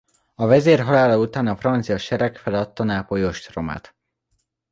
A vezér halála után a francia sereg feladta Nápoly ostromát.